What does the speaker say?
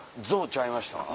ゾウちゃいました？